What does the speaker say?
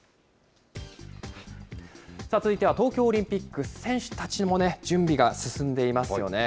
続いては東京オリンピック、選手たちもね、準備が進んでいますよね。